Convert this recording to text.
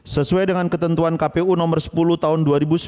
sesuai dengan ketentuan kpu nomor sepuluh tahun dua ribu sembilan belas